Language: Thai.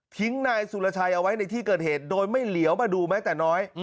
นายสุรชัยเอาไว้ในที่เกิดเหตุโดยไม่เหลียวมาดูแม้แต่น้อย